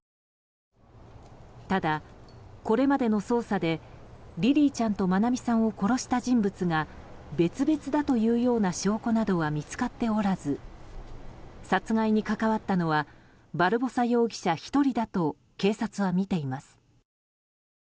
ただ、これまでの捜査でリリィちゃんと愛美さんを殺した人物が別々だというような証拠などは見つかっておらず殺害に関わったのはバルボサ容疑者１人だと警察はみています。